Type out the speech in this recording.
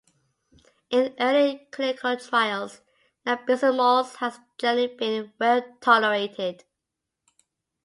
In early clinical trials, nabiximols has generally been well tolerated.